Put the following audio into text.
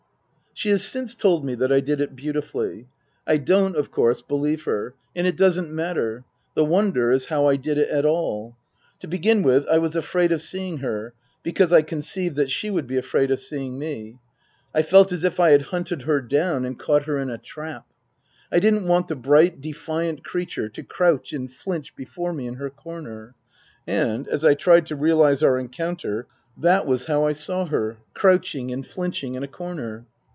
She has since told me that I did it beautifully. I don't, of course, believe her, and it doesn't matter. The wonder is how I did it at all. To begin with I was afraid of seeing her, because I conceived that she would be afraid of seeing me. I felt as if I had hunted her down and caught her in a trap. I didn't want the bright, defiant creature to crouch and flinch before me in her corner. And, as I tried to realize our encounter, that was how I saw her crouching and flinching in a corner.